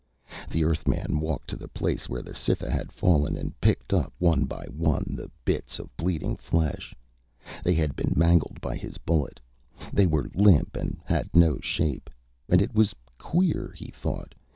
The Earthman walked to the place where the Cytha had fallen and picked up, one by one, the bits of bleeding flesh. They had been mangled by his bullet. They were limp and had no shape. And it was queer, he thought.